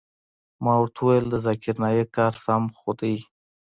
ما ورته وويل د ذاکر نايک کار سم خو دى.